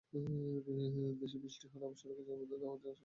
বেশি বৃষ্টি হলে আবার সড়কে জলাবদ্ধতা হওয়ার আশঙ্কা করছেন স্থানীয় বাসিন্দারা।